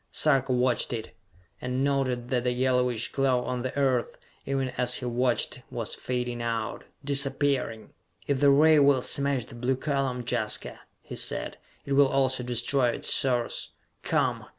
Sarka watched it, and noted that the yellowish glow on the Earth, even as he watched, was fading out disappearing! "If the ray will smash the blue column, Jaska," he said, "it will also destroy its source! Come!